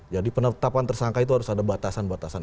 jadi penetapan tersangka itu harus ada batasan batasan